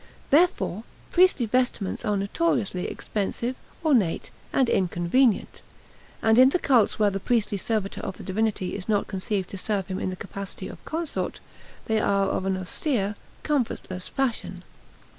Therefore priestly vestments are notoriously expensive, ornate, and inconvenient; and in the cults where the priestly servitor of the divinity is not conceived to serve him in the capacity of consort, they are of an austere, comfortless fashion.